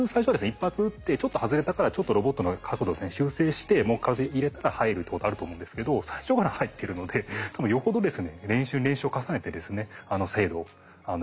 １発打ってちょっと外れたからちょっとロボットの角度を修正してもう一回入れたら入るってことはあると思うんですけど最初から入ってるので多分よほどですねうん。